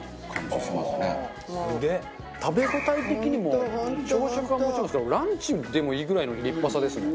食べ応え的にも朝食はもちろんですけどランチでもいいぐらいの立派さですね。